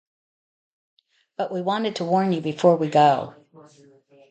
But we wanted to warn you before we go.